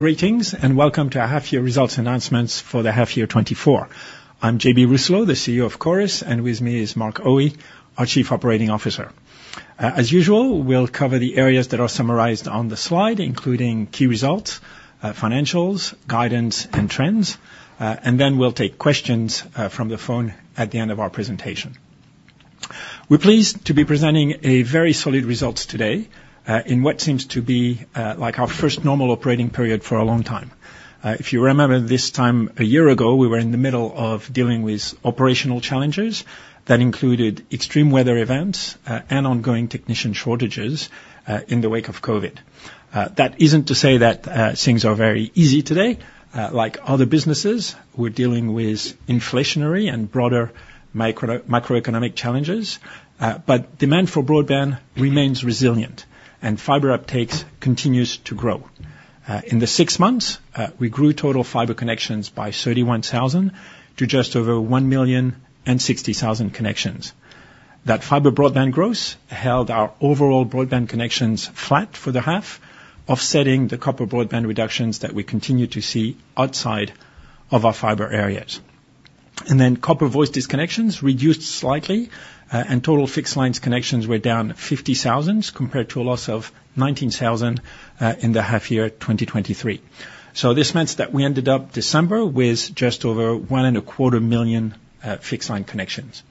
Greetings and welcome to our half-year results announcements for the half-year 2024. I'm JB Rousselot, the CEO of Chorus, and with me is Mark Aue, our Chief Operating Officer. As usual, we'll cover the areas that are summarized on the slide, including key results, financials, guidance, and trends, and then we'll take questions from the phone at the end of our presentation. We're pleased to be presenting a very solid result today in what seems to be our first normal operating period for a long time. If you remember, this time a year ago we were in the middle of dealing with operational challenges that included extreme weather events and ongoing technician shortages in the wake of COVID. That isn't to say that things are very easy today. Like other businesses, we're dealing with inflationary and broader macroeconomic challenges, but demand for broadband remains resilient and fiber uptakes continues to grow. In the six months, we grew total fiber connections by 31,000 to just over 1,060,000 connections. That fiber broadband growth held our overall broadband connections flat for the half, offsetting the copper broadband reductions that we continue to see outside of our fiber areas. And then copper voice disconnections reduced slightly, and total fixed lines connections were down 50,000 compared to a loss of 19,000 in the half-year 2023. So this meant that we ended up December with just over 1.25 million fixed line connections.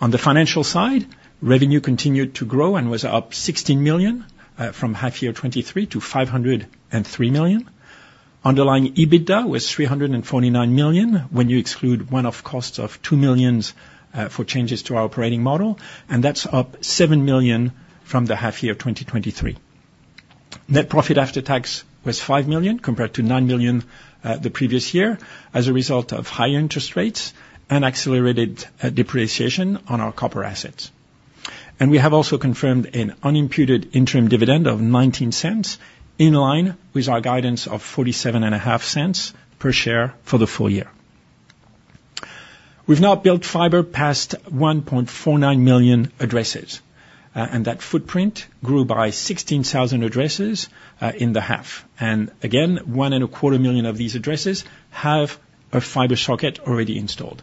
On the financial side, revenue continued to grow and was up 16 million from half-year 2023 to 503 million. Underlying EBITDA was 349 million when you exclude one-off costs of 2 million for changes to our operating model, and that's up 7 million from the half-year 2023. Net profit after tax was 5 million compared to 9 million the previous year as a result of higher interest rates and accelerated depreciation on our copper assets. We have also confirmed an unimputed interim dividend of 0.19 per share, in line with our guidance of 0.475 per share for the full year. We've now built fibre past 1.49 million addresses, and that footprint grew by 16,000 addresses in the half. Again, 1.25 million of these addresses have a fibre socket already installed.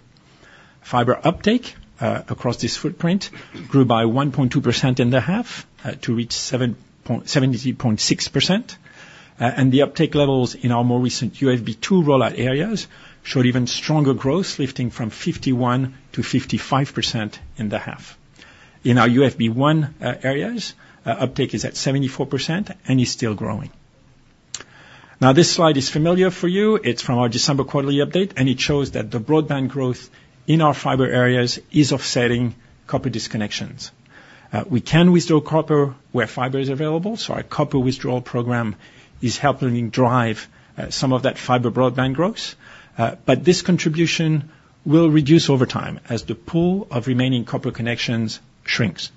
Fibre uptake across this footprint grew by 1.2% in the half to reach 70.6%, and the uptake levels in our more recent UFB2 rollout areas showed even stronger growth, lifting from 51%-55% in the half. In our UFB1 areas, uptake is at 74% and is still growing. Now, this slide is familiar for you. It's from our December quarterly update, and it shows that the broadband growth in our fiber areas is offsetting copper disconnections. We can withdraw copper where fiber is available, so our copper withdrawal program is helping drive some of that fiber broadband growth, but this contribution will reduce over time as the pool of remaining copper connections shrinks.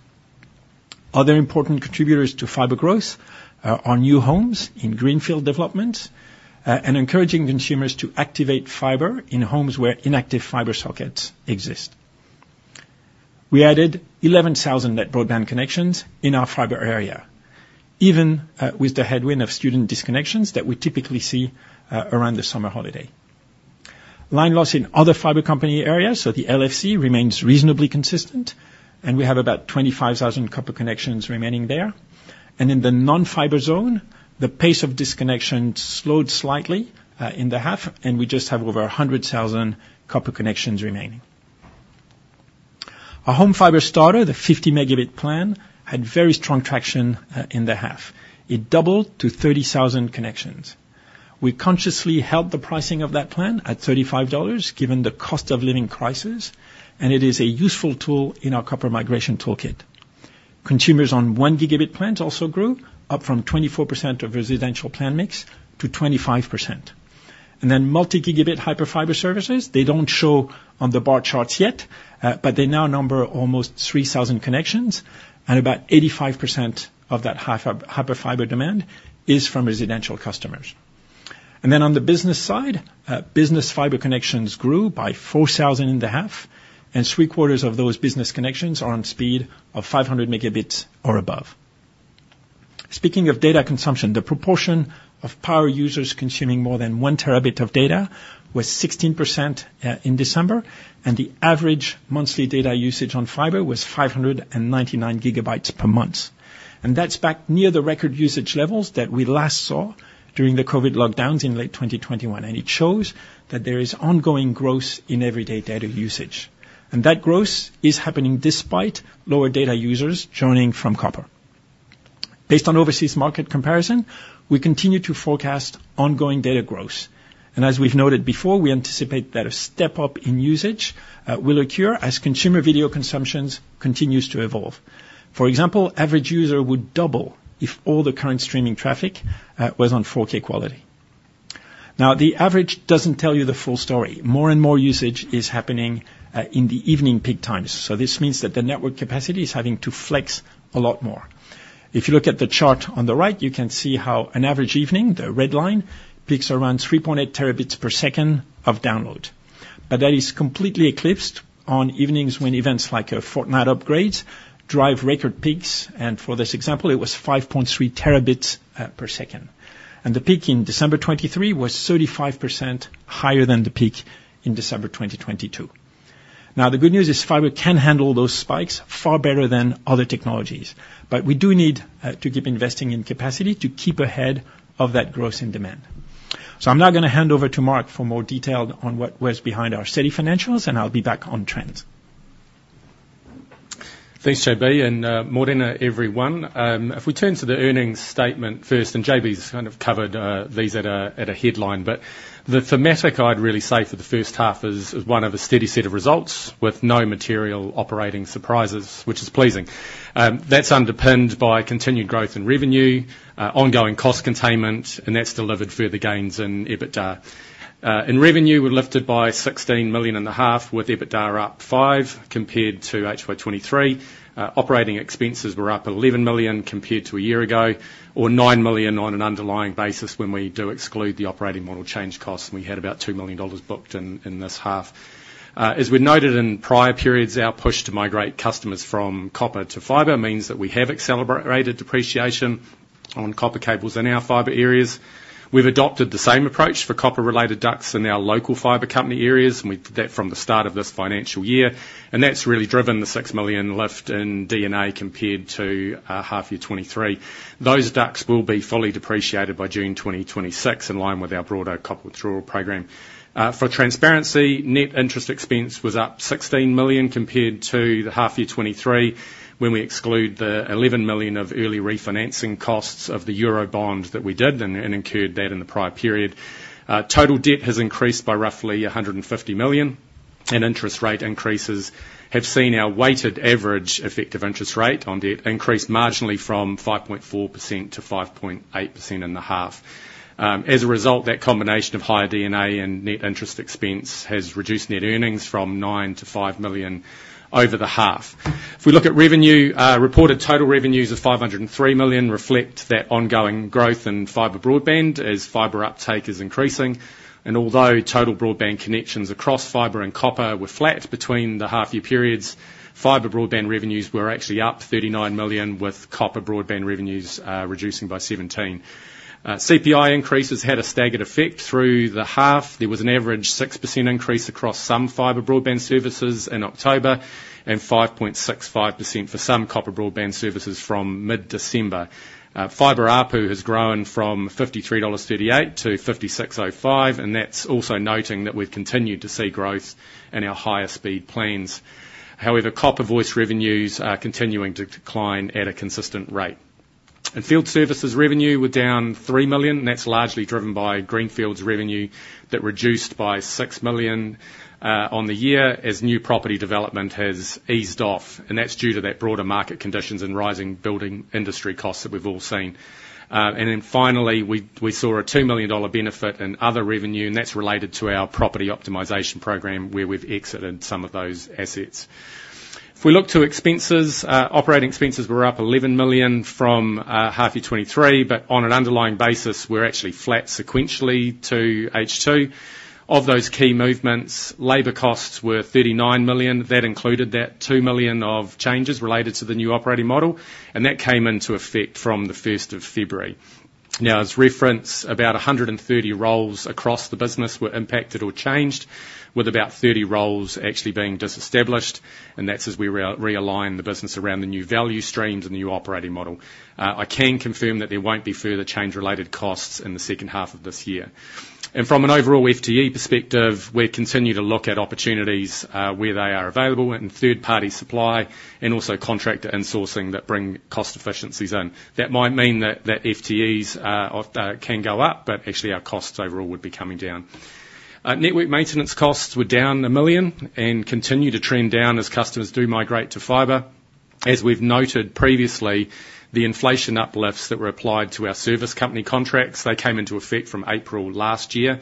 Other important contributors to fiber growth are new homes in greenfield developments and encouraging consumers to activate fiber in homes where inactive fiber sockets exist. We added 11,000 net broadband connections in our fiber area, even with the headwind of student disconnections that we typically see around the summer holiday. Line loss in other fiber company areas, so the LFC, remains reasonably consistent, and we have about 25,000 copper connections remaining there. In the non-fiber zone, the pace of disconnection slowed slightly in the half, and we just have over 100,000 copper connections remaining. Our Home Fibre Starter, the 50 Mbps plan, had very strong traction in the half. It doubled to 30,000 connections. We consciously held the pricing of that plan at 35 dollars given the cost of living crisis, and it is a useful tool in our copper migration toolkit. Consumers on 1 Gbps plans also grew, up from 24% of residential plan mix to 25%. And then multi-Gb Hyperfiber services: they don't show on the bar charts yet, but they now number almost 3,000 connections, and about 85% of that Hyperfiber demand is from residential customers. And then on the business side, business fiber connections grew by 4,000 in the half, and three-quarters of those business connections are on speed of 500 Mbps or above. Speaking of data consumption, the proportion of power users consuming more than 1 Tb of data was 16% in December, and the average monthly data usage on fiber was 599 GB per month. That's back near the record usage levels that we last saw during the COVID lockdowns in late 2021, and it shows that there is ongoing growth in everyday data usage. That growth is happening despite lower data users joining from copper. Based on overseas market comparison, we continue to forecast ongoing data growth, and as we've noted before, we anticipate that a step up in usage will occur as consumer video consumptions continues to evolve. For example, average user would double if all the current streaming traffic was on 4K quality. Now, the average doesn't tell you the full story. More and more usage is happening in the evening peak times, so this means that the network capacity is having to flex a lot more. If you look at the chart on the right, you can see how an average evening, the red line, peaks around 3.8 Tbps of download. But that is completely eclipsed on evenings when events like Fortnite upgrades drive record peaks, and for this example, it was 5.3 Tbps. The peak in December 2023 was 35% higher than the peak in December 2022. Now, the good news is fiber can handle those spikes far better than other technologies, but we do need to keep investing in capacity to keep ahead of that growth in demand. So I'm now going to hand over to Mark for more detail on what was behind our steady financials, and I'll be back on trends. Thanks, JB. Morning, everyone. If we turn to the earnings statement first, and JB's kind of covered these at a headline, but the thematic I'd really say for the first half is one of a steady set of results with no material operating surprises, which is pleasing. That's underpinned by continued growth in revenue, ongoing cost containment, and that's delivered further gains in EBITDA. In revenue, we're lifted by 16.5 million, with EBITDA up 5 million compared to HY 2023. Operating expenses were up 11 million compared to a year ago, or 9 million on an underlying basis when we do exclude the operating model change costs. We had about NZD 2 million booked in this half. As we'd noted in prior periods, our push to migrate customers from copper to fiber means that we have accelerated depreciation on copper cables in our fiber areas. We've adopted the same approach for copper-related ducts in our local fiber company areas, and we did that from the start of this financial year, and that's really driven the 6 million lift in D&A compared to half-year 2023. Those ducts will be fully depreciated by June 2026 in line with our broader copper withdrawal program. For transparency, net interest expense was up 16 million compared to half-year 2023 when we exclude the 11 million of early refinancing costs of the euro bond that we did and incurred that in the prior period. Total debt has increased by roughly 150 million, and interest rate increases have seen our weighted average effective interest rate on debt increase marginally from 5.4% to 5.8% in the half. As a result, that combination of higher D&A and net interest expense has reduced net earnings from 9 million to 5 million over the half. If we look at revenue, reported total revenues of 503 million reflect that ongoing growth in fiber broadband as fiber uptake is increasing. Although total broadband connections across fiber and copper were flat between the half-year periods, fiber broadband revenues were actually up 39 million, with copper broadband revenues reducing by 17 million. CPI increases had a staggered effect through the half. There was an average 6% increase across some fiber broadband services in October and 5.65% for some copper broadband services from mid-December. Fiber ARPU has grown from NZD 53.38 to 56.05, and that's also noting that we've continued to see growth in our higher-speed plans. However, copper voiced revenues are continuing to decline at a consistent rate. Field services revenue were down 3 million, and that's largely driven by greenfields revenue that reduced by 6 million on the year as new property development has eased off, and that's due to that broader market conditions and rising building industry costs that we've all seen. And then finally, we saw a 2 million dollar benefit in other revenue, and that's related to our property optimisation program where we've exited some of those assets. If we look to expenses, operating expenses were up 11 million from half-year 2023, but on an underlying basis, we're actually flat sequentially to H2. Of those key movements, labour costs were 39 million. That included that 2 million of changes related to the new operating model, and that came into effect from the 1st of February. Now, as reference, about 130 roles across the business were impacted or changed, with about 30 roles actually being disestablished, and that's as we realign the business around the new value streams and the new operating model. I can confirm that there won't be further change-related costs in the second half of this year. From an overall FTE perspective, we continue to look at opportunities where they are available in third-party supply and also contractor insourcing that bring cost efficiencies in. That might mean that FTEs can go up, but actually our costs overall would be coming down. Network maintenance costs were down 1 million and continue to trend down as customers do migrate to fiber. As we've noted previously, the inflation uplifts that were applied to our service company contracts, they came into effect from April last year,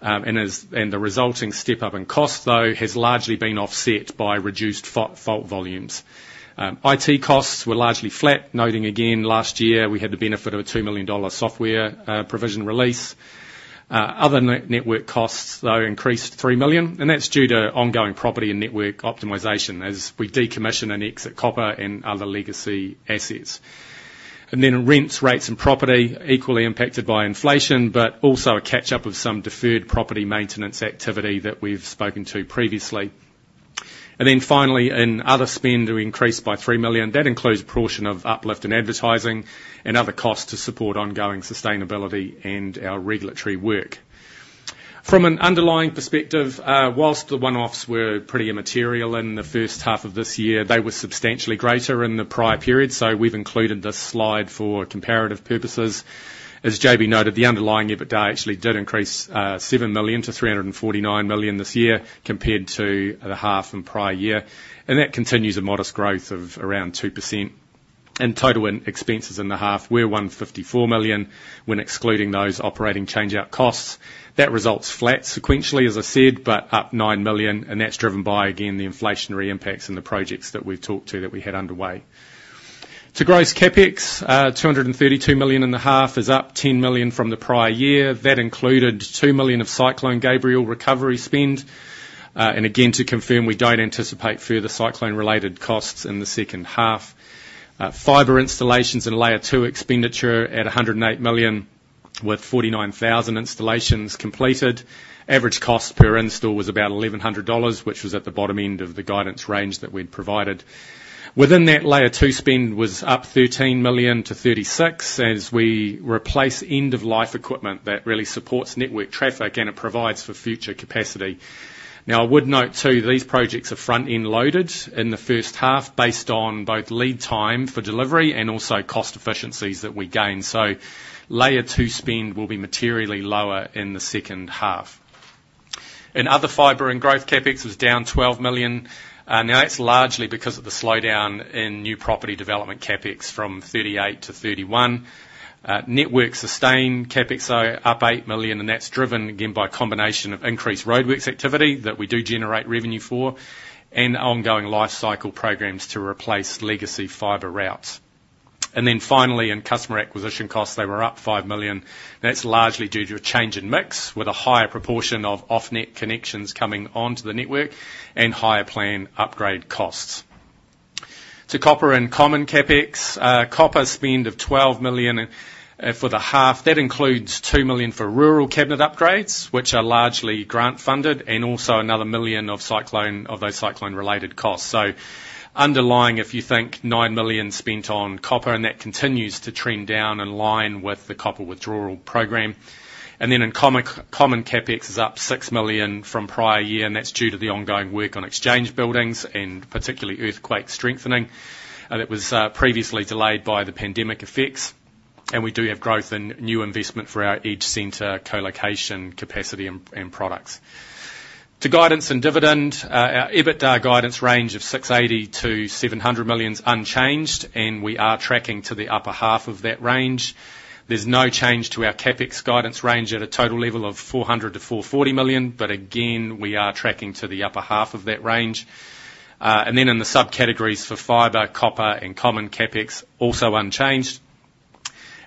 and the resulting step up in costs, though, has largely been offset by reduced fault volumes. IT costs were largely flat, noting again last year we had the benefit of a 2 million dollar software provision release. Other network costs, though, increased 3 million, and that's due to ongoing property and network optimization as we decommission and exit copper and other legacy assets. And then rents, rates, and property equally impacted by inflation, but also a catch-up of some deferred property maintenance activity that we've spoken to previously. And then finally, in other spend, we increased by 3 million. That includes a portion of uplift and advertising and other costs to support ongoing sustainability and our regulatory work. From an underlying perspective, whilst the one-offs were pretty immaterial in the first half of this year, they were substantially greater in the prior period, so we've included this slide for comparative purposes. As JB noted, the underlying EBITDA actually did increase 7 million to 349 million this year compared to the half and prior year, and that continues a modest growth of around 2%. Total expenses in the half were 154 million when excluding those operating change-out costs. That results flat sequentially, as I said, but up 9 million, and that's driven by, again, the inflationary impacts and the projects that we've talked to that we had underway. To gross CapEx, 232 million in the half is up 10 million from the prior year. That included 2 million of Cyclone Gabrielle recovery spend, and again, to confirm, we don't anticipate further cyclone-related costs in the second half. Fibre installations and Layer 2 expenditure at 108 million, with 49,000 installations completed. Average cost per install was about 1,100 dollars, which was at the bottom end of the guidance range that we'd provided. Within that, Layer 2 spend was up 13 million to 36 million as we replace end-of-life equipment that really supports network traffic and it provides for future capacity. Now, I would note, too, these projects are front-end loaded in the first half based on both lead time for delivery and also cost efficiencies that we gain, so Layer 2 spend will be materially lower in the second half. Other fibre and growth CapEx was down 12 million. Now, that's largely because of the slowdown in new property development CapEx from 38 million to 31 million. Network sustained CapEx, though, up 8 million, and that's driven, again, by a combination of increased roadworks activity that we do generate revenue for and ongoing life cycle programs to replace legacy fiber routes. Then finally, in customer acquisition costs, they were up 5 million. That's largely due to a change in mix with a higher proportion of off-net connections coming onto the network and higher plan upgrade costs. To copper and common CapEx, copper spend of 12 million for the half, that includes 2 million for rural cabinet upgrades, which are largely grant-funded, and also another 1 million of those cyclone-related costs. Underlying, if you think, 9 million spent on copper, and that continues to trend down in line with the copper withdrawal program. In common CapEx, it's up 6 million from prior year, and that's due to the ongoing work on exchange buildings and particularly earthquake strengthening that was previously delayed by the pandemic effects. We do have growth in new investment for our EdgeCentre colocation capacity and products. To guidance and dividend, our EBITDA guidance range of 680 million-700 million is unchanged, and we are tracking to the upper half of that range. There's no change to our CapEx guidance range at a total level of 400 million-440 million, but again, we are tracking to the upper half of that range. In the subcategories for fiber, copper, and common CapEx, also unchanged.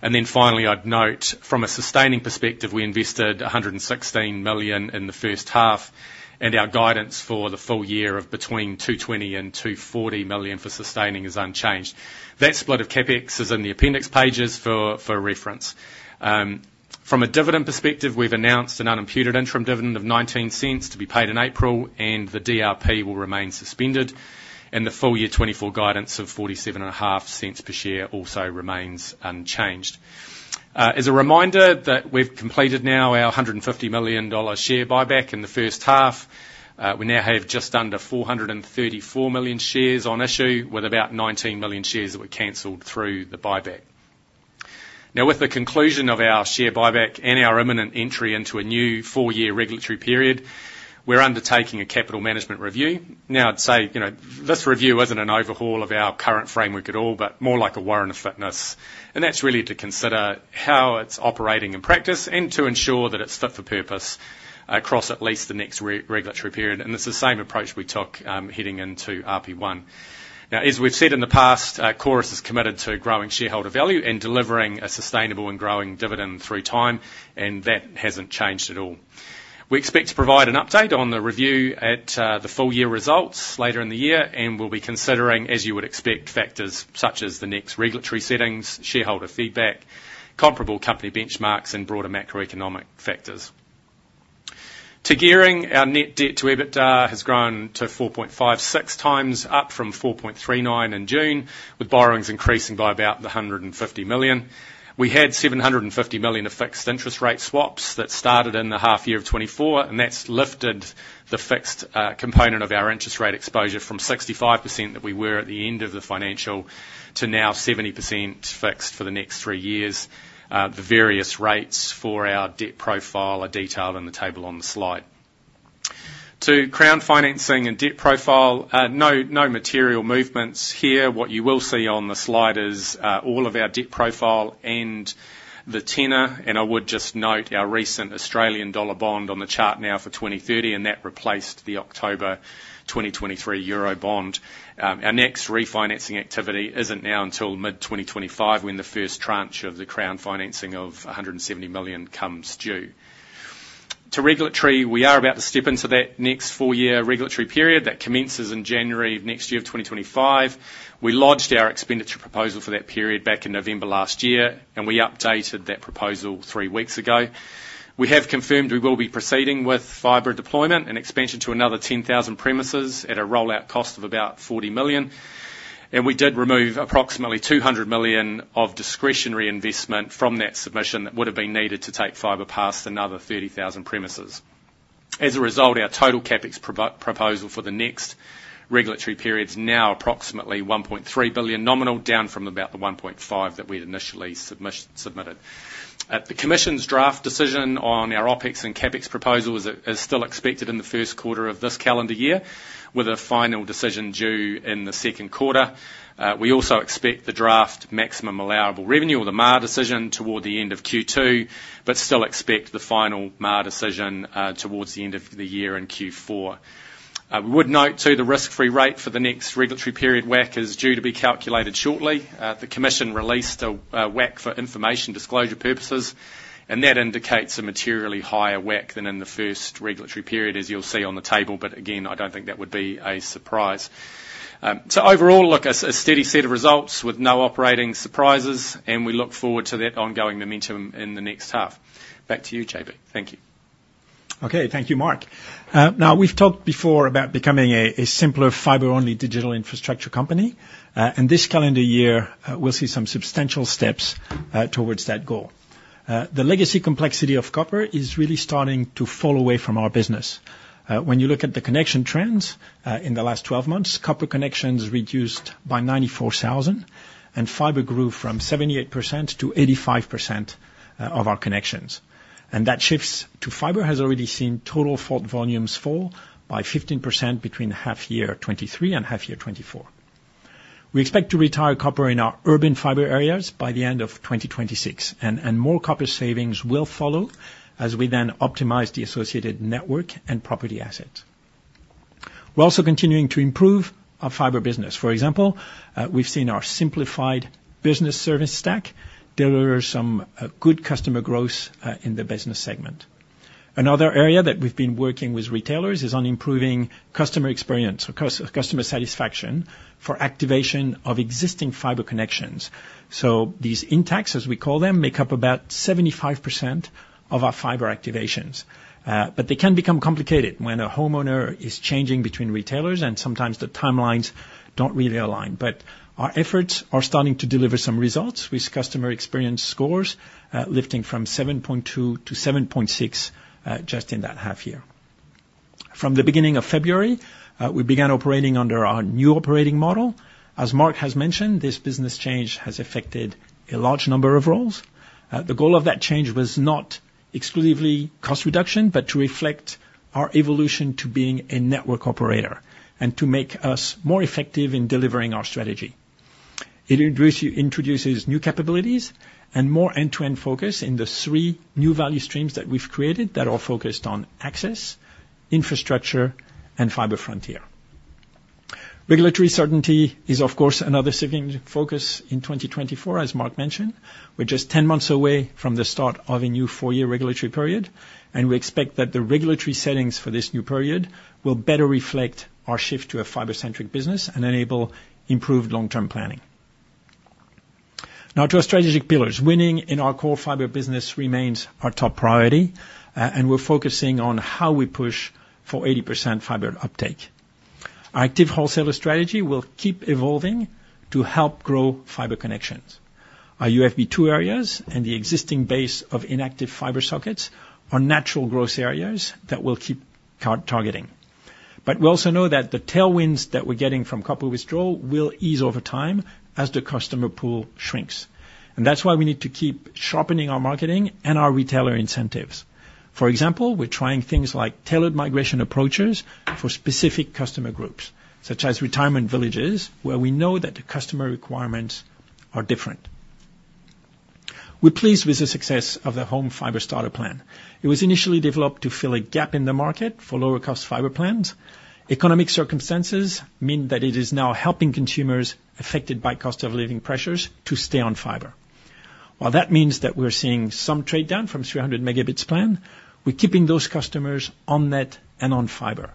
Then finally, I'd note, from a sustaining perspective, we invested 116 million in the first half, and our guidance for the full year of between 220 million and 240 million for sustaining is unchanged. That split of CapEx is in the appendix pages for reference. From a dividend perspective, we've announced an unimputed interim dividend of 0.19 to be paid in April, and the DRP will remain suspended. The full year 2024 guidance of 0.475 per share also remains unchanged. As a reminder that we've completed now our 150 million dollar share buyback in the first half, we now have just under 434 million shares on issue, with about 19 million shares that were cancelled through the buyback. Now, with the conclusion of our share buyback and our imminent entry into a new four-year regulatory period, we're undertaking a capital management review. Now, I'd say this review isn't an overhaul of our current framework at all, but more like a warrant of fitness. That's really to consider how it's operating in practice and to ensure that it's fit for purpose across at least the next regulatory period, and it's the same approach we took heading into RP1. Now, as we've said in the past, Chorus is committed to growing shareholder value and delivering a sustainable and growing dividend through time, and that hasn't changed at all. We expect to provide an update on the review at the full-year results later in the year, and we'll be considering, as you would expect, factors such as the next regulatory settings, shareholder feedback, comparable company benchmarks, and broader macroeconomic factors. Regarding gearing, our net debt to EBITDA has grown to 4.56x, up from 4.39x in June, with borrowings increasing by about 150 million. We had 750 million of fixed interest rate swaps that started in the half-year of 2024, and that's lifted the fixed component of our interest rate exposure from 65% that we were at the end of the financial to now 70% fixed for the next three years. The various rates for our debt profile are detailed in the table on the slide. Regarding crown financing and debt profile, no material movements here. What you will see on the slide is all of our debt profile and the tenor, and I would just note our recent Australian dollar bond on the chart now for 2030, and that replaced the October 2023 euro bond. Our next refinancing activity isn't now until mid-2025 when the first tranche of the crown financing of 170 million comes due. To regulatory, we are about to step into that next four-year regulatory period. That commences in January of next year, of 2025. We lodged our expenditure proposal for that period back in November last year, and we updated that proposal three weeks ago. We have confirmed we will be proceeding with fiber deployment and expansion to another 10,000 premises at a rollout cost of about 40 million, and we did remove approximately 200 million of discretionary investment from that submission that would have been needed to take fiber past another 30,000 premises. As a result, our total CapEx proposal for the next regulatory period's now approximately 1.3 billion nominal, down from about the 1.5 that we'd initially submitted. The commission's draft decision on our OpEx and CapEx proposal is still expected in the first quarter of this calendar year, with a final decision due in the second quarter. We also expect the draft maximum allowable revenue, or the MAR decision, toward the end of Q2, but still expect the final MAR decision towards the end of the year in Q4. We would note, too, the risk-free rate for the next regulatory period, WACC, is due to be calculated shortly. The commission released a WACC for information disclosure purposes, and that indicates a materially higher WACC than in the first regulatory period, as you'll see on the table, but again, I don't think that would be a surprise. So overall, look, a steady set of results with no operating surprises, and we look forward to that ongoing momentum in the next half. Back to you, JB. Thank you. Okay. Thank you, Mark. Now, we've talked before about becoming a simpler fiber-only digital infrastructure company, and this calendar year, we'll see some substantial steps towards that goal. The legacy complexity of copper is really starting to fall away from our business. When you look at the connection trends in the last 12 months, copper connections reduced by 94,000, and fiber grew from 78% to 85% of our connections. And that shift to fiber has already seen total fault volumes fall by 15% between half-year 2023 and half-year 2024. We expect to retire copper in our urban fiber areas by the end of 2026, and more copper savings will follow as we then optimize the associated network and property assets. We're also continuing to improve our fiber business. For example, we've seen our simplified business service stack deliver some good customer growth in the business segment. Another area that we've been working with retailers is on improving customer experience or customer satisfaction for activation of existing fiber connections. So these intacts, as we call them, make up about 75% of our fiber activations. But our efforts are starting to deliver some results with customer experience scores lifting from 7.2 to 7.6 just in that half-year. From the beginning of February, we began operating under our new operating model. As Mark has mentioned, this business change has affected a large number of roles. The goal of that change was not exclusively cost reduction, but to reflect our evolution to being a network operator and to make us more effective in delivering our strategy. It introduces new capabilities and more end-to-end focus in the three new value streams that we've created that are focused on access, infrastructure, and fiber frontier. Regulatory certainty is, of course, another significant focus in 2024, as Mark mentioned. We're just 10 months away from the start of a new four-year regulatory period, and we expect that the regulatory settings for this new period will better reflect our shift to a fiber-centric business and enable improved long-term planning. Now, to our strategic pillars, winning in our core fiber business remains our top priority, and we're focusing on how we push for 80% fiber uptake. Our active wholesaler strategy will keep evolving to help grow fiber connections. Our UFB2 areas and the existing base of inactive fiber sockets are natural growth areas that we'll keep targeting. But we also know that the tailwinds that we're getting from copper withdrawal will ease over time as the customer pool shrinks. That's why we need to keep sharpening our marketing and our retailer incentives. For example, we're trying things like tailored migration approaches for specific customer groups, such as retirement villages, where we know that the customer requirements are different. We're pleased with the success of the Home Fibre Starter Plan. It was initially developed to fill a gap in the market for lower-cost fibre plans. Economic circumstances mean that it is now helping consumers affected by cost of living pressures to stay on fibre. While that means that we're seeing some trade-down from the 300 megabits plan, we're keeping those customers on net and on fibre.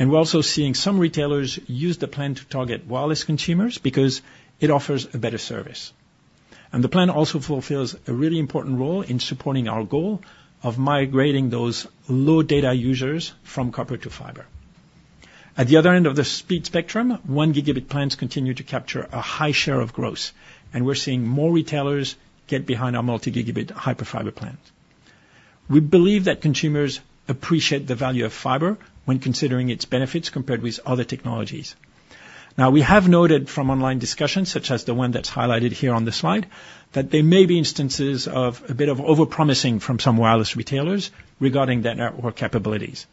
We're also seeing some retailers use the plan to target wireless consumers because it offers a better service. The plan also fulfills a really important role in supporting our goal of migrating those low-data users from copper to fiber. At the other end of the speed spectrum, 1 Gb plans continue to capture a high share of growth, and we're seeing more retailers get behind our multi-gigabit Hyperfiber plans. We believe that consumers appreciate the value of fiber when considering its benefits compared with other technologies. Now, we have noted from online discussions, such as the one that's highlighted here on the slide, that there may be instances of a bit of overpromising from some wireless retailers regarding their network capabilities.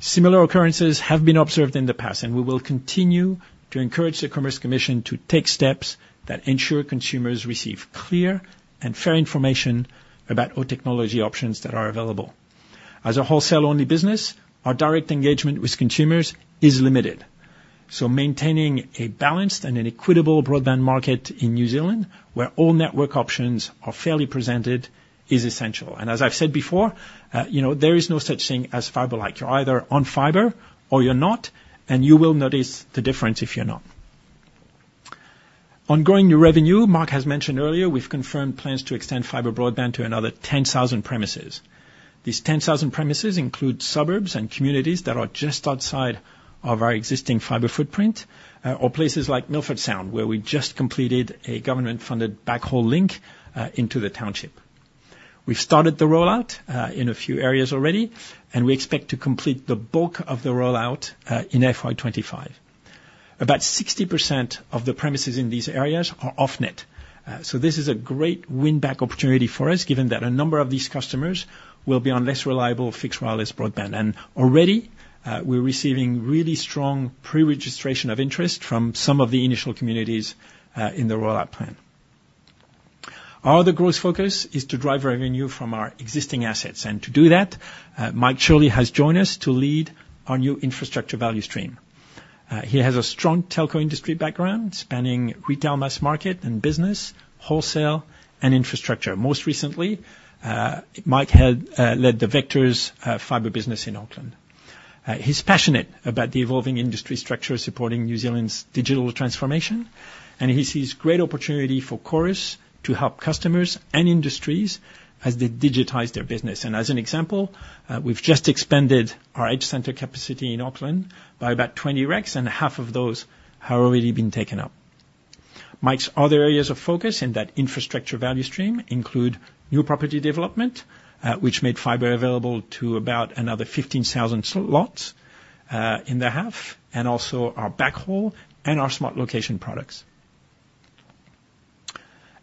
Similar occurrences have been observed in the past, and we will continue to encourage the Commerce Commission to take steps that ensure consumers receive clear and fair information about our technology options that are available. As a wholesale-only business, our direct engagement with consumers is limited. Maintaining a balanced and an equitable broadband market in New Zealand, where all network options are fairly presented, is essential. As I've said before, there is no such thing as fiber-like. You're either on fiber or you're not, and you will notice the difference if you're not. Ongoing new revenue, Mark has mentioned earlier, we've confirmed plans to extend fiber broadband to another 10,000 premises. These 10,000 premises include suburbs and communities that are just outside of our existing fiber footprint, or places like Milford Sound, where we just completed a government-funded backhaul link into the township. We've started the rollout in a few areas already, and we expect to complete the bulk of the rollout in FY 2025. About 60% of the premises in these areas are off-net. This is a great win-back opportunity for us, given that a number of these customers will be on less reliable fixed wireless broadband. Already, we're receiving really strong pre-registration of interest from some of the initial communities in the rollout plan. Our other growth focus is to drive revenue from our existing assets, and to do that, Mike Shirley has joined us to lead our new infrastructure value stream. He has a strong telco industry background spanning retail mass market and business, wholesale, and infrastructure. Most recently, Mike led the Vector's fiber business in Auckland. He's passionate about the evolving industry structure supporting New Zealand's digital transformation, and he sees great opportunity for Chorus to help customers and industries as they digitalize their business. As an example, we've just expanded our EdgeCentre capacity in Auckland by about 20 racks, and half of those have already been taken up. Mike's other areas of focus in that infrastructure value stream include new property development, which made fiber available to about another 15,000 lots in the half, and also our backhaul and our smart location products.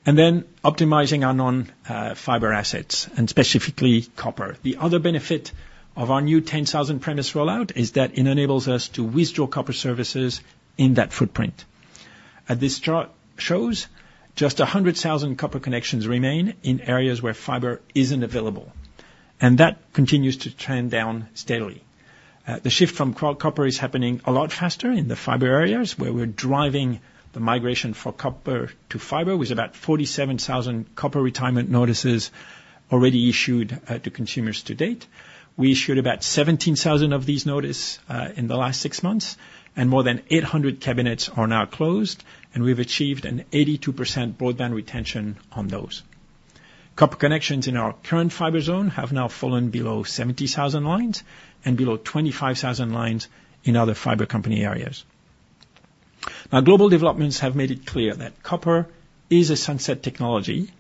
And then optimizing our non-fiber assets, and specifically copper. The other benefit of our new 10,000 premise rollout is that it enables us to withdraw copper services in that footprint. As this chart shows, just 100,000 copper connections remain in areas where fiber isn't available, and that continues to trend down steadily. The shift from cracked copper is happening a lot faster in the fiber areas, where we're driving the migration for copper to fiber with about 47,000 copper retirement notices already issued to consumers to date. We issued about 17,000 of these notices in the last six months, and more than 800 cabinets are now closed, and we've achieved an 82% broadband retention on those. Copper connections in our current fiber zone have now fallen below 70,000 lines and below 25,000 lines in other fiber company areas. Now, global developments have made it clear that copper is a sunset technology,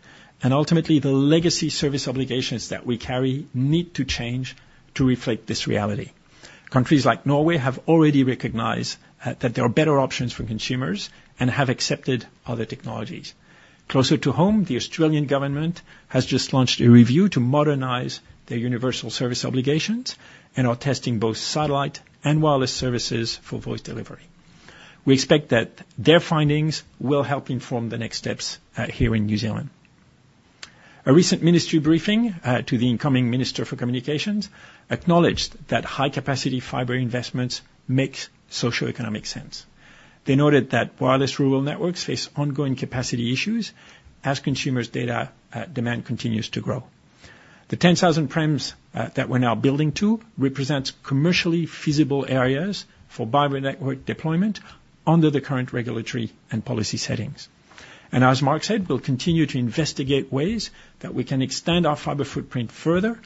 and ultimately the legacy service obligations that we carry need to change to reflect this reality. Countries like Norway have already recognized that there are better options for consumers and have accepted other technologies. Closer to home, the Australian government has just launched a review to modernize their universal service obligations, and are testing both satellite and wireless services for voice delivery. We expect that their findings will help inform the next steps here in New Zealand. A recent ministry briefing to the incoming Minister for Communications acknowledged that high-capacity fiber investments make socioeconomic sense. They noted that wireless rural networks face ongoing capacity issues as consumers' data demand continues to grow. The 10,000 premises that we're now building to represent commercially feasible areas for fiber network deployment under the current regulatory and policy settings. As Mark said, we'll continue to investigate ways that we can extend our fiber footprint further,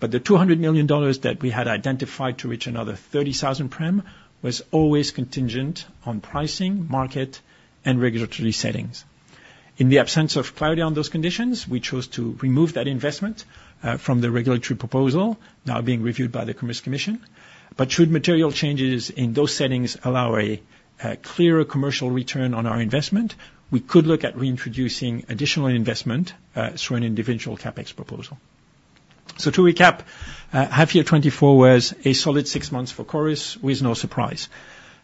but the 200 million dollars that we had identified to reach another 30,000 premises was always contingent on pricing, market, and regulatory settings. In the absence of clarity on those conditions, we chose to remove that investment from the regulatory proposal, now being reviewed by the Commerce Commission. Should material changes in those settings allow a clearer commercial return on our investment, we could look at reintroducing additional investment through an individual CapEx proposal. So to recap, half-year 2024 was a solid six months for Chorus with no surprise.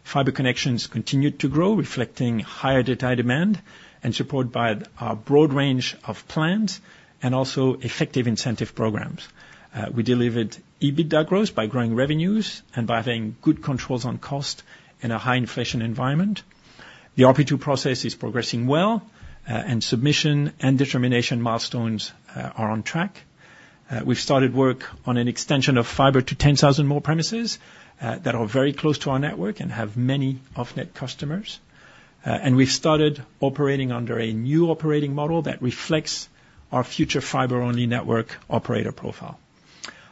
Fiber connections continued to grow, reflecting higher data demand and support by our broad range of plans and also effective incentive programs. We delivered EBITDA growth by growing revenues and by having good controls on cost in a high-inflation environment. The RP2 process is progressing well, and submission and determination milestones are on track. We've started work on an extension of Fiber to 10,000 more premises that are very close to our network and have many off-net customers. And we've started operating under a new operating model that reflects our future Fiber-only network operator profile.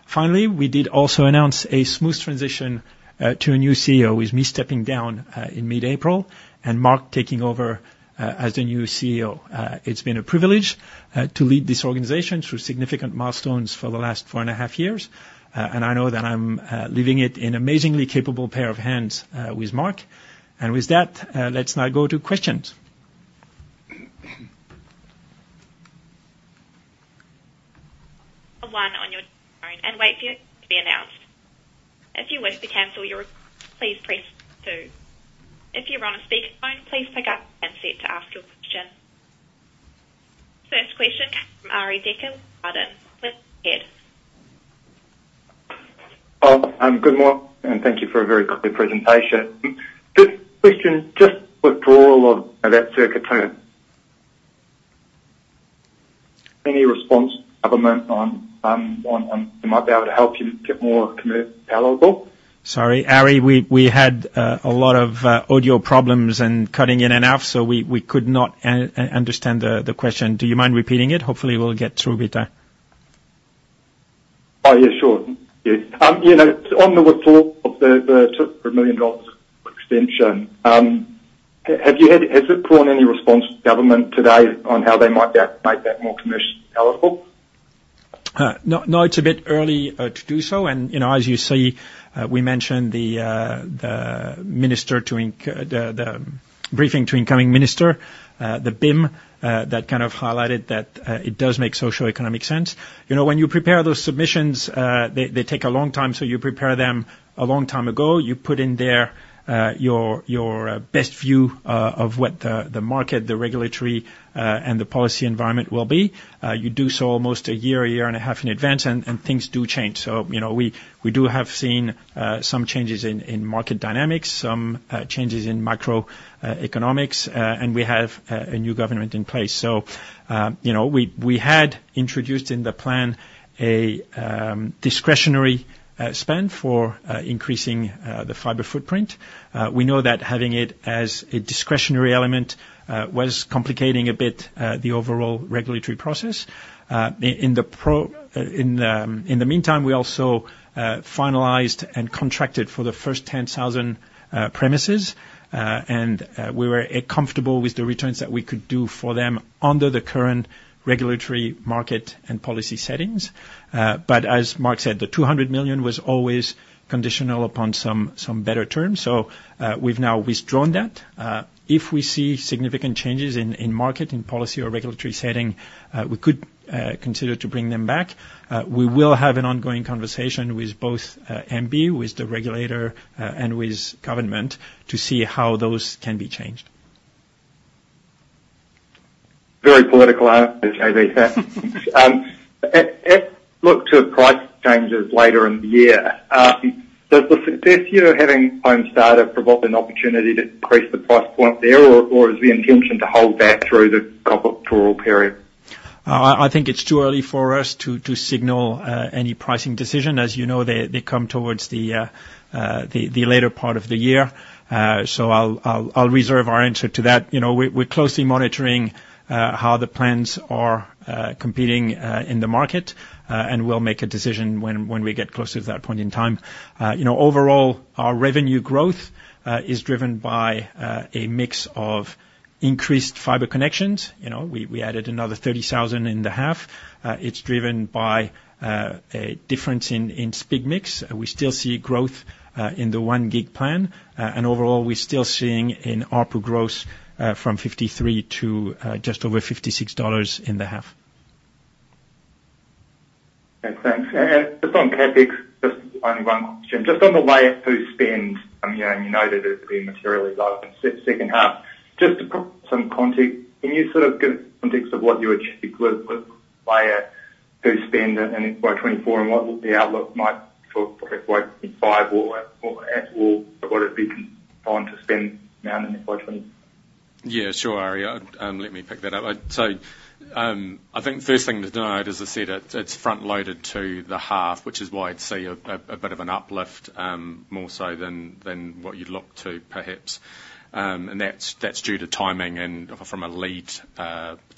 Finally, we did also announce a smooth transition to a new CEO with me stepping down in mid-April and Mark taking over as the new CEO. It's been a privilege to lead this organization through significant milestones for the last four and a half years, and I know that I'm leaving it in an amazingly capable pair of hands with Mark. With that, let's now go to questions. Hello, and on your end, wait for your question to be announced. If you wish to cancel your call, please press two. If you're on a speakerphone, please pick up and sit to ask your question. First question comes from Arie Dekker with Jarden. Please go ahead. Good morning, and thank you for a very clear presentation. First question, just withdrawal of that circuit term. Any response from the government on one? I might be able to help you get more committed to power level. Sorry, Ari, we had a lot of audio problems and cutting in and out, so we could not understand the question. Do you mind repeating it? Hopefully, we'll get through with that. Yeah, sure. On the withdrawal of the 200 million dollars extension, has it drawn any response from government today on how they might make that more commercially palatable? No, it's a bit early to do so. As you see, we mentioned the briefing to incoming minister, the BIM, that kind of highlighted that it does make socioeconomic sense. When you prepare those submissions, they take a long time, so you prepare them a long time ago. You put in there your best view of what the market, the regulatory, and the policy environment will be. You do so almost a year, a year and a half in advance, and things do change. We do have seen some changes in market dynamics, some changes in macroeconomics, and we have a new government in place. We had introduced in the plan a discretionary spend for increasing the fiber footprint. We know that having it as a discretionary element was complicating a bit the overall regulatory process. In the meantime, we also finalised and contracted for the first 10,000 premises, and we were comfortable with the returns that we could do for them under the current regulatory market and policy settings. But as Mark said, the 200 million was always conditional upon some better terms, so we've now withdrawn that. If we see significant changes in market, in policy, or regulatory setting, we could consider to bring them back. We will have an ongoing conversation with both MBIE, with the regulator, and with government to see how those can be changed. Very political, as I said. If we look to price changes later in the year, does the success of having Home Starter provide an opportunity to increase the price point there, or is the intention to hold that through the regulatory period? I think it's too early for us to signal any pricing decision. As you know, they come towards the later part of the year, so I'll reserve our answer to that. We're closely monitoring how the plans are competing in the market, and we'll make a decision when we get closer to that point in time. Overall, our revenue growth is driven by a mix of increased fibre connections. We added another 30,000 in the half. It's driven by a difference in speed mix. We still see growth in the 1-gig plan, and overall, we're still seeing in ARPU growth from 53 to just over 56 dollars in the half. Thanks. Just on CapEx, just the only one question. Just on the Layer 2 spend, and you noted it's been materially low in the second half, just to put some context, can you sort of give us context of what you achieved with Layer 2 spend in FY 2024 and what the outlook might be for FY 2025, or what it'd be on to spend now in FY 2024? Yeah, sure, Ari. Let me pick that up. So I think the first thing to note, as I said, it's front-loaded to the half, which is why I'd see a bit of an uplift more so than what you'd look to, perhaps. And that's due to timing and from a lead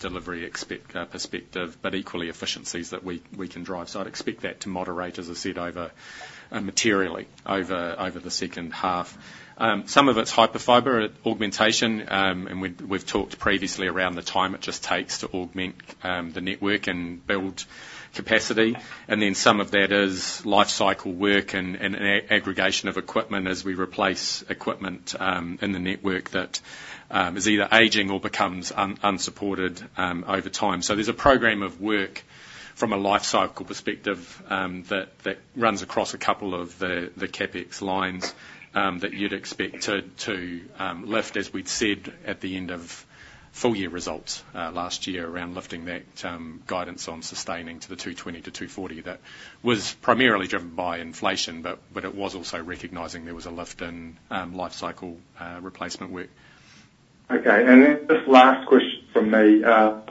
delivery perspective, but equally efficiencies that we can drive. So I'd expect that to moderate, as I said, materially over the second half. Some of it's Hyperfiber augmentation, and we've talked previously around the time it just takes to augment the network and build capacity. And then some of that is lifecycle work and an aggregation of equipment as we replace equipment in the network that is either aging or becomes unsupported over time. So there's a program of work from a lifecycle perspective that runs across a couple of the CapEx lines that you'd expect to lift, as we'd said at the end of full-year results last year around lifting that guidance on sustaining to the 220-240 that was primarily driven by inflation, but it was also recognizing there was a lift in lifecycle replacement work. Okay. Just last question from me. Just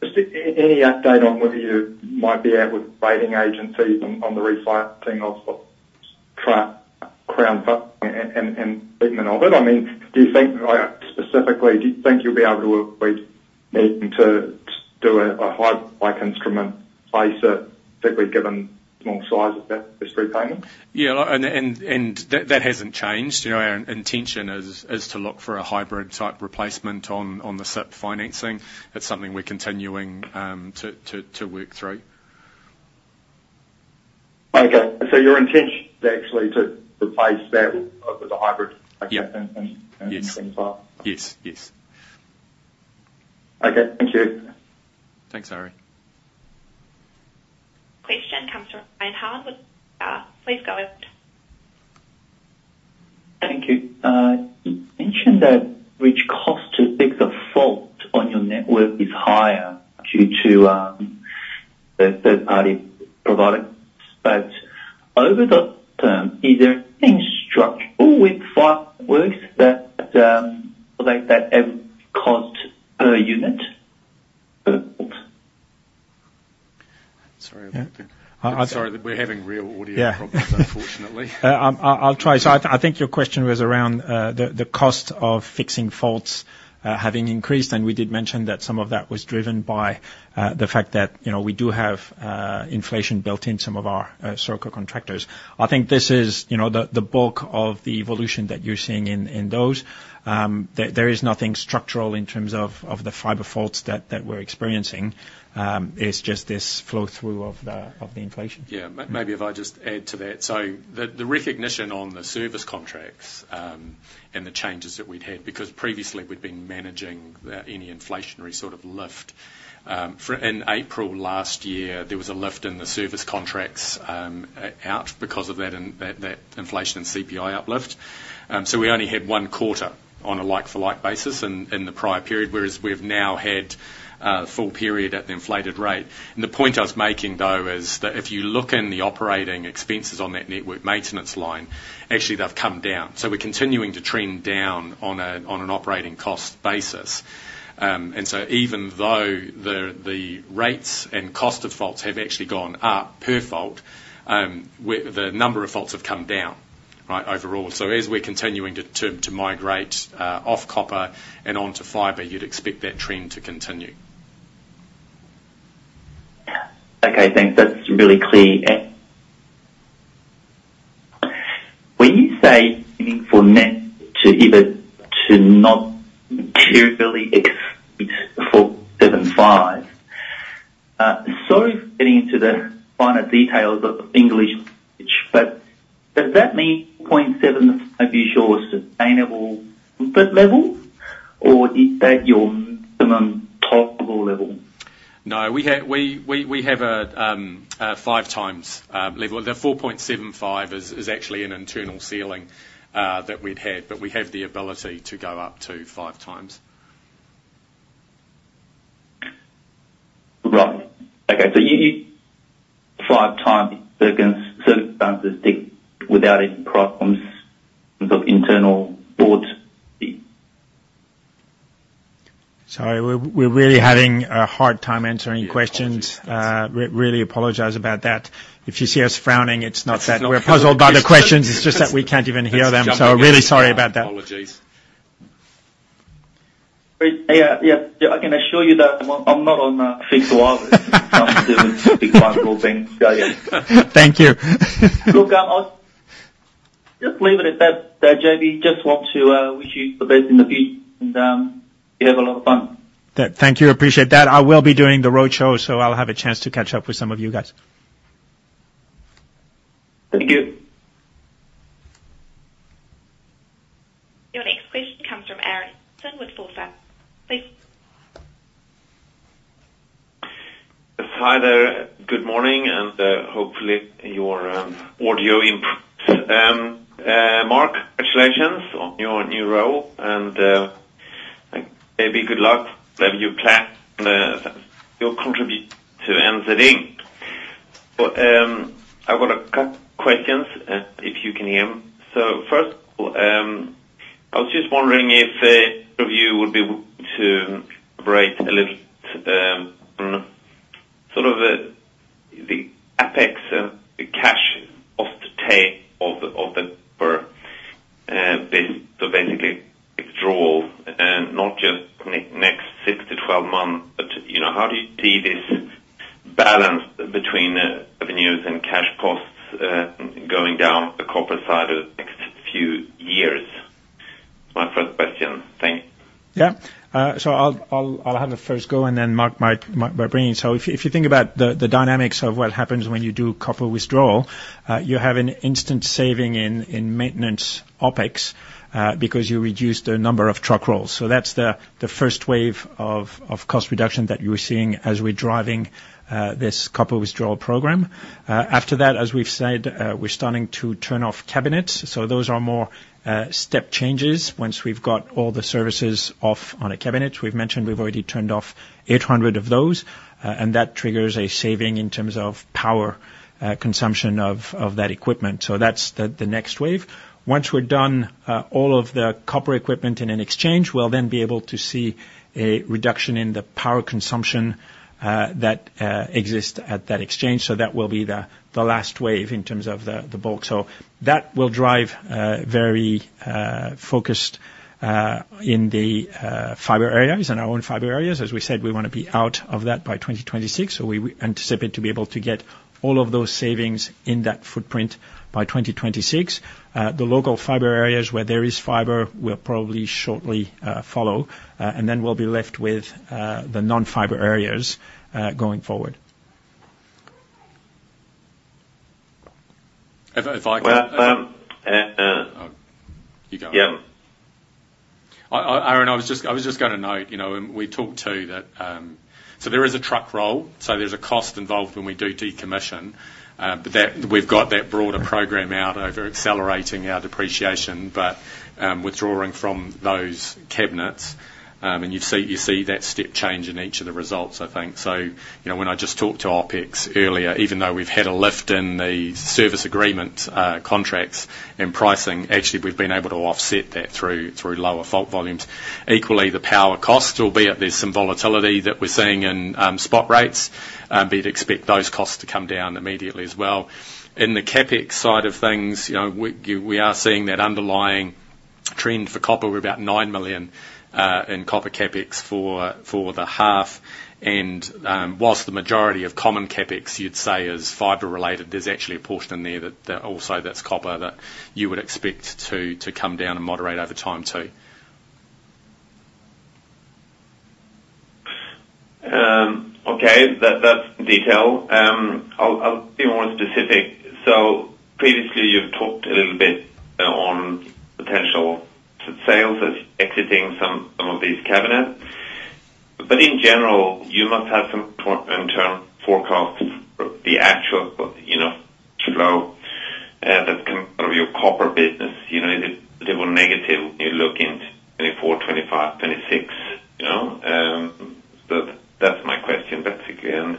any update on whether you might be out with rating agencies on the refinancing of Crown loan and treatment of it? I mean, do you think specifically, do you think you'll be able to lead me to do a hybrid instrument, replace it, particularly given the small size of that first repayment? Yeah, and that hasn't changed. Our intention is to look for a hybrid-type replacement on the CIP financing. It's something we're continuing to work through. Okay. So your intention is actually to replace that with a hybrid replacement in 2025? Yes. Yes. Yes. Okay. Thank you. Thanks, Ari. Question comes from. Please go ahead. Thank you. You mentioned that which cost to fix a fault on your network is higher due to third-party providers. But over the term, is there anything structural with fibers that elevate that cost per unit? Sorry about that. I'm sorry that we're having real audio problems, unfortunately. I'll try. So I think your question was around the cost of fixing faults having increased, and we did mention that some of that was driven by the fact that we do have inflation built in some of our circuit contractors. I think this is the bulk of the evolution that you're seeing in those. There is nothing structural in terms of the fiber faults that we're experiencing. It's just this flow-through of the inflation. Yeah. Maybe if I just add to that. So the recognition on the service contracts and the changes that we'd had because previously we'd been managing any inflationary sort of lift. In April last year, there was a lift in the service contracts out because of that inflation and CPI uplift. So we only had one quarter on a like-for-like basis in the prior period, whereas we've now had a full period at the inflated rate. And the point I was making, though, is that if you look in the operating expenses on that network maintenance line, actually they've come down. So we're continuing to trend down on an operating cost basis. And so even though the rates and cost of faults have actually gone up per fault, the number of faults have come down overall. So as we're continuing to migrate off copper and onto fiber, you'd expect that trend to continue. Okay. Thanks. That's really clear. When you say aiming for net to either to not materially exceed 4.75, sorry for getting into the finer details of English, but does that mean 0.75 is your sustainable foot level, or is that your minimum tolerable level? No, we have a 5x level. The 4.75 is actually an internal ceiling that we'd had, but we have the ability to go up to 5x. Right. Okay. So 5 times circumstances without any problems in terms of internal fault? Sorry. We're really having a hard time answering your questions. Really apologize about that. If you see us frowning, it's not that we're puzzled by the questions. It's just that we can't even hear them, so really sorry about that. Apologies. Yeah. I can assure you that I'm not on a fixed wire when it comes to 5G rollback. Thank you. Look, just leave it at that, JB. Just want to wish you the best in the future, and you have a lot of fun. Thank you. Appreciate that. I will be doing the roadshow, so I'll have a chance to catch up with some of you guys. Thank you. Your next question comes from Aaron Ibbotson with Forsyth Barr. Please. Hi there. Good morning, and hopefully, your audio improves. Mark, congratulations on your new role, and maybe good luck when you plan your contribution to NZ Inc. I've got a couple of questions if you can hear them. So first of all, I was just wondering if any of you would be willing to elaborate a little bit on sort of the OpEx and the cash cost take of the network, so basically withdrawal, not just next 6-12 months, but how do you see this balance between revenues and cash costs going down the copper side over the next few years? That's my first question. Thank you. Yeah. So I'll have it first go, and then Mark might bring it. So if you think about the dynamics of what happens when you do copper withdrawal, you have an instant saving in maintenance OpEx because you reduce the number of truck rolls. So that's the first wave of cost reduction that you're seeing as we're driving this copper withdrawal program. After that, as we've said, we're starting to turn off cabinets. So those are more step changes once we've got all the services off on a cabinet. We've mentioned we've already turned off 800 of those, and that triggers a saving in terms of power consumption of that equipment. So that's the next wave. Once we're done all of the copper equipment in an exchange, we'll then be able to see a reduction in the power consumption that exists at that exchange. That will be the last wave in terms of the bulk. So that will drive very focused in the fiber areas, in our own fiber areas. As we said, we want to be out of that by 2026, so we anticipate to be able to get all of those savings in that footprint by 2026. The local fiber areas where there is fiber will probably shortly follow, and then we'll be left with the non-fiber areas going forward. If I can. Well, you go. Yeah. Aaron, I was just going to note, and we talked too, that so there is a truck roll. So there's a cost involved when we do decommission, but we've got that broader program out over accelerating our depreciation but withdrawing from those cabinets. And you see that step change in each of the results, I think. So when I just talked to OpEx earlier, even though we've had a lift in the service agreement contracts and pricing, actually, we've been able to offset that through lower fault volumes. Equally, the power cost, albeit there's some volatility that we're seeing in spot rates, but you'd expect those costs to come down immediately as well. In the CapEx side of things, we are seeing that underlying trend for copper. We're about 9 million in copper CapEx for the half. While the majority of common CapEx, you'd say, is fiber-related, there's actually a portion in there also that's copper that you would expect to come down and moderate over time too. Okay. That's detail. I'll be more specific. So previously, you've talked a little bit on potential sales as exiting some of these cabinets. But in general, you must have some internal forecasts for the actual flow that comes out of your copper business. Is it a little negative when you look into 2024, 2025, 2026? That's my question, basically. And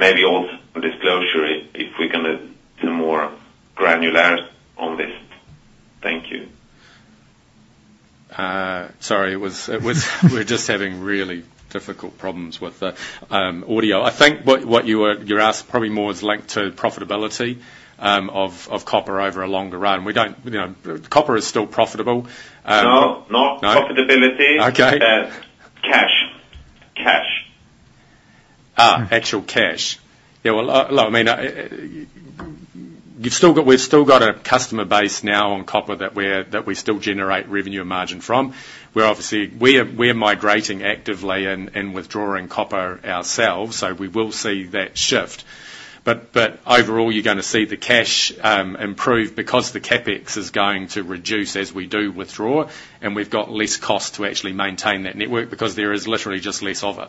maybe also some disclosure if we're going to get some more granularity on this. Thank you. Sorry. We're just having really difficult problems with the audio. I think what you're asked probably more is linked to profitability of copper over a longer run. Copper is still profitable. Not profitability. Cash. Cash. Actual cash. Yeah. Well, look, I mean, we've still got a customer base now on copper that we still generate revenue and margin from. We're migrating actively and withdrawing copper ourselves, so we will see that shift. But overall, you're going to see the cash improve because the CapEx is going to reduce as we do withdraw, and we've got less cost to actually maintain that network because there is literally just less of it.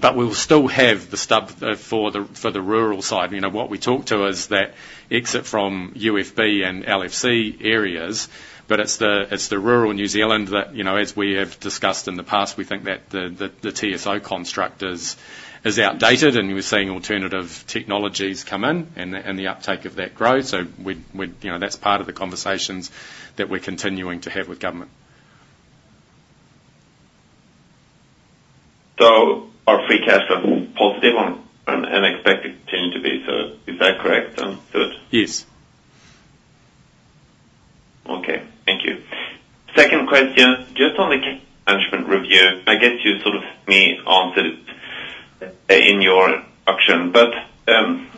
But we'll still have the stub for the rural side. What we talk to is that exit from UFB and LFC areas, but it's the rural New Zealand that, as we have discussed in the past, we think that the TSO construct is outdated, and we're seeing alternative technologies come in, and the uptake of that grows. So that's part of the conversations that we're continuing to have with government. Our forecasts are positive and expect to continue to be. Is that correct? Yes. Okay. Thank you. Second question. Just on the cash management review, I guess you sort of may have answered it in your action, but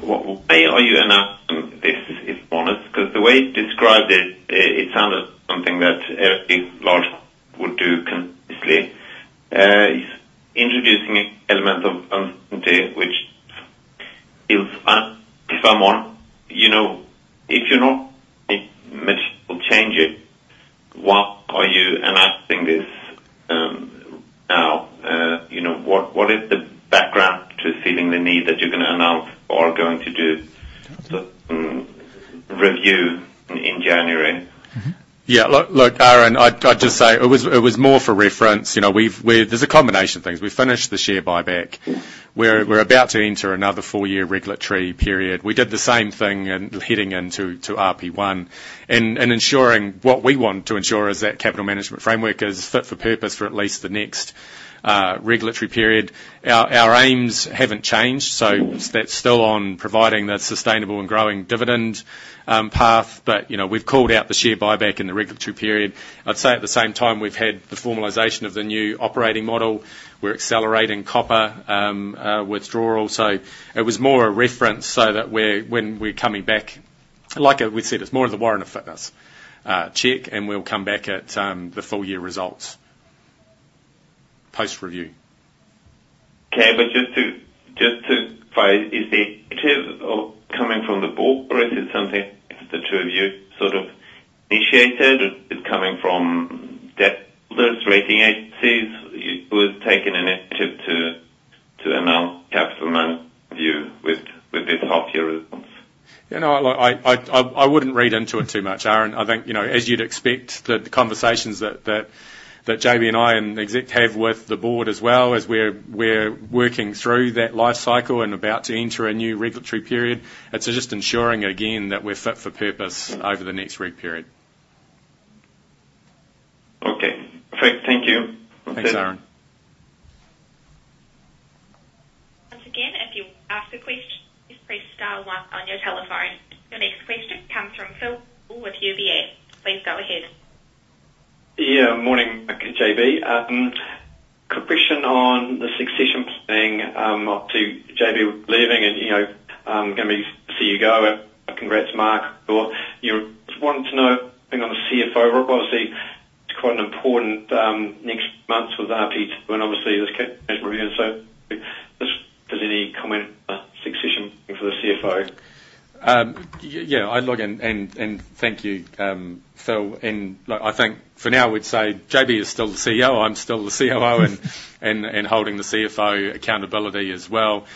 why are you announcing this, if you want us? Because the way you described it, it sounded like something that every large company would do consistently. It's introducing an element of uncertainty, which feels uncertain. If you're not making a major change, why are you announcing this now? What is the background to feeling the need that you're going to announce or are going to do some review in January? Yeah. Look, Aaron, I'd just say it was more for reference. There's a combination of things. We've finished the share buyback. We're about to enter another four-year regulatory period. We did the same thing heading into RP1. And what we want to ensure is that capital management framework is fit for purpose for at least the next regulatory period. Our aims haven't changed, so that's still on providing the sustainable and growing dividend path, but we've called out the share buyback in the regulatory period. I'd say at the same time, we've had the formalization of the new operating model. We're accelerating copper withdrawal. So it was more a reference so that when we're coming back, like we said, it's more of the warrant of fitness check, and we'll come back at the full-year results post-review. Okay. But just to clarify, is the initiative coming from the board, or is it something the two of you sort of initiated, or is it coming from debt rating agencies? Who has taken the initiative to announce capital management review with this half-year response? Yeah. No, look, I wouldn't read into it too much, Aaron. I think as you'd expect, the conversations that JB and I and the exec have with the board as well, as we're working through that life cycle and about to enter a new regulatory period, it's just ensuring, again, that we're fit for purpose over the next reg period. Okay. Perfect. Thank you. Thanks, Aaron. Once again, if you ask a question, please press star one on your telephone. Your next question comes from Phil Campbell with UBS. Please go ahead. Yeah. Morning, JB. Quick question on the succession planning after JB leaving, and I'm going to see you go. Congrats, Mark. I just wanted to know anything on the CFO. Obviously, it's quite an important next few months with RP2 and obviously this cash management review. And so just if there's any comment on the succession planning for the CFO. Yeah. I'd like to thank you, Phil. And look, I think for now, we'd say JB is still the CEO. I'm still the COO and holding the CFO accountability as well.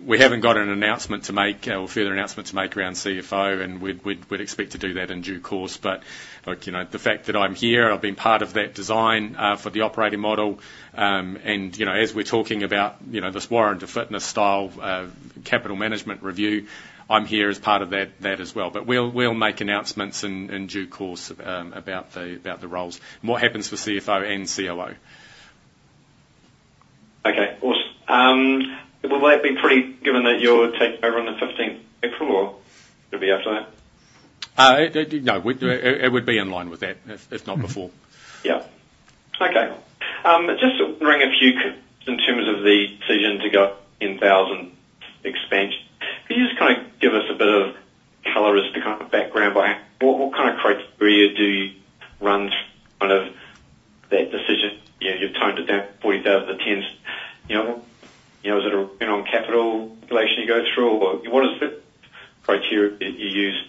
We haven't got an announcement to make or further announcement to make around CFO, and we'd expect to do that in due course. But look, the fact that I'm here, I've been part of that design for the operating model. And as we're talking about this warrant of fitness-style capital management review, I'm here as part of that as well. But we'll make announcements in due course about the roles, what happens for CFO and COO. Okay. Awesome. Will that be pretty given that you're taking over on the 15th of April, or it'll be after that? No. It would be in line with that, if not before. Yeah. Okay. Just wondering a few questions in terms of the decision to go 10,000 expansion. Could you just kind of give us a bit of color as to kind of background behind it? What kind of criteria do you run to kind of that decision? You've toned it down 40,000 to 10,000. Is it a return on capital calculation you go through, or what is the criteria that you use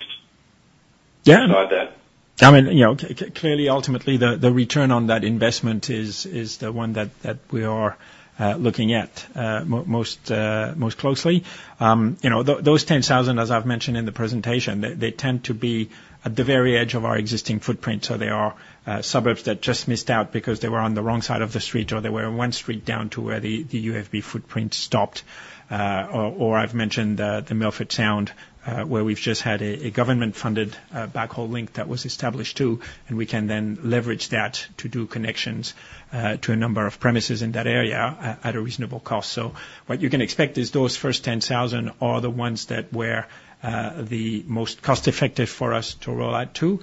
to decide that? Yeah. I mean, clearly, ultimately, the return on that investment is the one that we are looking at most closely. Those 10,000, as I've mentioned in the presentation, they tend to be at the very edge of our existing footprint. So there are suburbs that just missed out because they were on the wrong side of the street, or they were one street down to where the UFB footprint stopped. Or I've mentioned the Milford Sound where we've just had a government-funded backhaul link that was established too, and we can then leverage that to do connections to a number of premises in that area at a reasonable cost. So what you can expect is those first 10,000 are the ones that were the most cost-effective for us to roll out to.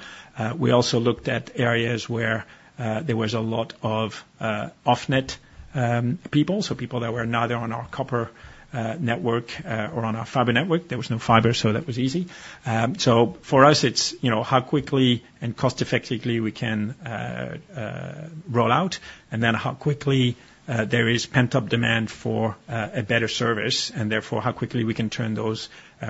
We also looked at areas where there was a lot of off-net people, so people that were neither on our copper network nor on our fiber network. There was no fiber, so that was easy. So for us, it's how quickly and cost-effectively we can roll out, and then how quickly there is pent-up demand for a better service, and therefore how quickly we can turn those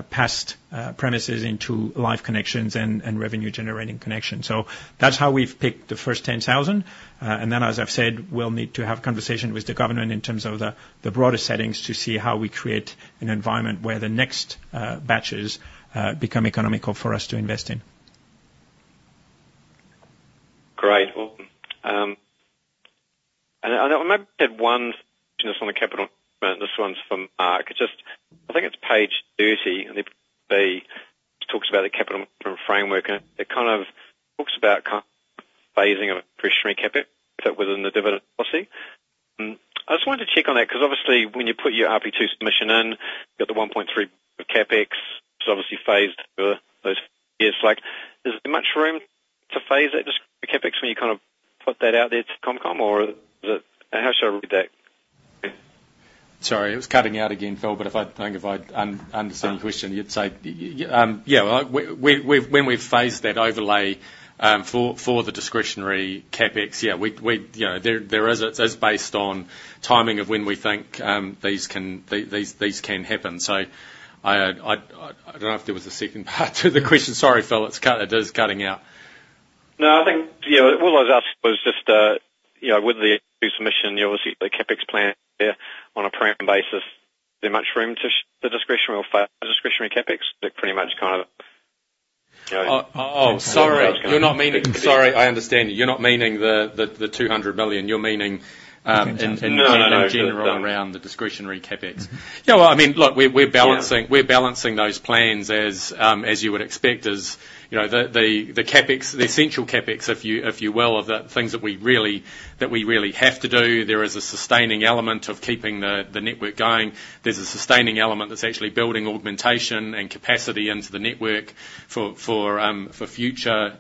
passed premises into live connections and revenue-generating connections. So that's how we've picked the first 10,000. And then, as I've said, we'll need to have a conversation with the government in terms of the broader settings to see how we create an environment where the next batches become economical for us to invest in. Great. Awesome. And I might have said one question that's on the capital management. This one's from Mark. I think it's page 30, and it talks about the capital management framework. And it kind of talks about kind of phasing of a prescribed CapEx within the dividend policy. I just wanted to check on that because obviously, when you put your RP2 submission in, you've got the 1.3% of CapEx. It's obviously phased over those years. Is there much room to phase that prescribed CapEx when you kind of put that out there to ComCom, or how should I read that? Sorry. It was cutting out again, Phil, but I think if I'd understood your question, you'd say yeah. Well, when we've phased that overlay for the discretionary CapEx, yeah, there is. It's based on timing of when we think these can happen. So I don't know if there was a second part to the question. Sorry, Phil. It is cutting out. No. I think all I was asking was just with the submission, obviously, the CapEx plan there on a preliminary basis, is there much room to shift the discretionary or phase the discretionary CapEx? Is it pretty much kind of? Oh, sorry. You're not meaning sorry. I understand you. You're not meaning the 200 million. You're meaning in general around the discretionary CapEx. Yeah. Well, I mean, look, we're balancing those plans as you would expect, as the essential CapEx, if you will, of the things that we really have to do. There is a sustaining element of keeping the network going. There's a sustaining element that's actually building augmentation and capacity into the network for future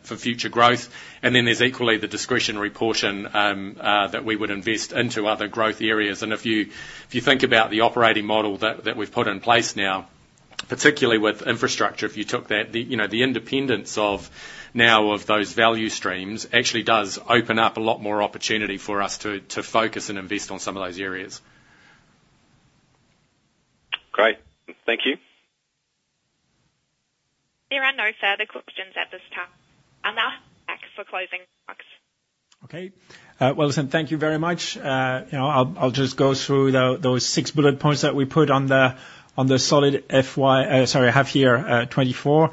growth. And then there's equally the discretionary portion that we would invest into other growth areas. And if you think about the operating model that we've put in place now, particularly with infrastructure, if you took that, the independence now of those value streams actually does open up a lot more opportunity for us to focus and invest on some of those areas. Great. Thank you. There are no further questions at this time. I'll now hand back for closing, Mark. Okay. Well, listen, thank you very much. I'll just go through those 6 bullet points that we put on the solid FY, sorry, half-year 2024.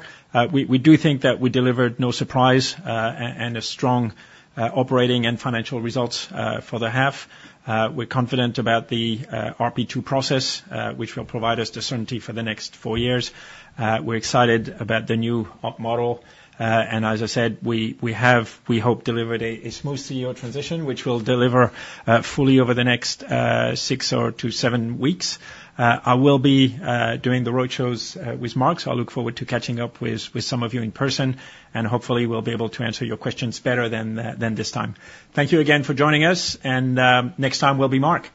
We do think that we delivered no surprise and a strong operating and financial results for the half. We're confident about the RP2 process, which will provide us the certainty for the next 4 years. We're excited about the new operating model. And as I said, we hope delivered a smooth CEO transition, which we'll deliver fully over the next six or to seven weeks. I will be doing the roadshows with Mark, so I'll look forward to catching up with some of you in person, and hopefully, we'll be able to answer your questions better than this time. Thank you again for joining us, and next time, we'll be Mark.